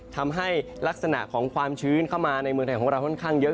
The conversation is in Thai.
ทำให้ลักษณะของความชื้นเข้ามาในเมืองไทยของเราค่อนข้างเยอะ